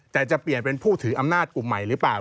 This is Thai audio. แต่จะเปลี่ยนเป็นผู้ถืออำนาจกลุ่มใหม่หรือเปล่า